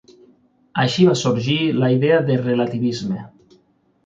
Així va sorgir la idea de relativisme.